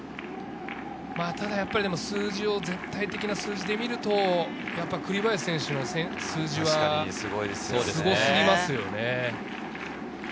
ただやっぱり数字を、絶対的な数字で見ると栗林選手の数字は、すご過ぎます。